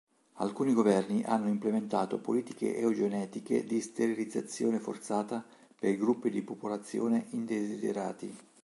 Alcuni governi hanno implementato politiche eugenetiche di sterilizzazione forzata per gruppi di popolazione "indesiderati".